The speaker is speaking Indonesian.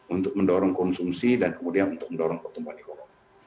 untuk mendorong konsumsi dan kemudian untuk mendorong pertumbuhan ekonomi